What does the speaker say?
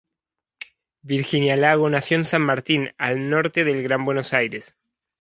Virginia Lago nació en San Martín, al norte del Gran Buenos Aires.